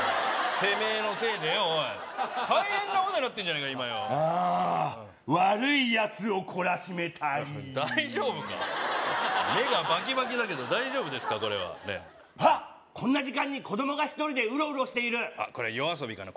てめえのせいでよおい大変なことになってんじゃねえか今よああ悪いやつをこらしめたい大丈夫か目がバキバキだけど大丈夫ですかこれはあこんな時間に子供が１人でウロウロしているこれ夜遊びかな